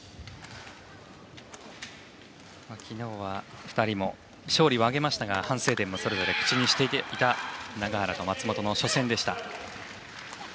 昨日は２人も勝利は挙げましたが反省点もそれぞれ口にしていた永原、松本の初戦でした。